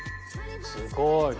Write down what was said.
すごい。